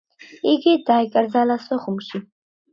იგი დაიკრძალა სოხუმში.